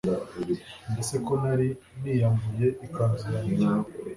mbese ko nari niyambuye ikanzu yanjye